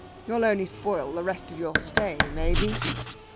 You'll only spoil the rest of your stay, maybe....